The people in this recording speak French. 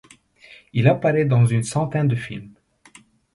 Il apparaît dans une centaine de films.